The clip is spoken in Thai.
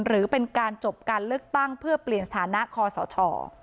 หรือเป็นการจบการเลือกตั้งเพื่อเปลี่ยนสถานะคอสช